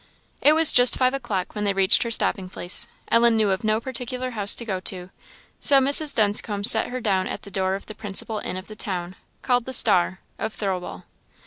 It was just five o'clock when they reached her stopping place. Ellen knew of no particular house to go to, so Mrs. Dunscombe set her down at the door of the principal inn of the town, called the "Star," of Thirlwall.